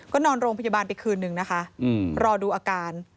ก็นอนโรงพยาบาลไปคืนนึงนะคะรอดูอาการ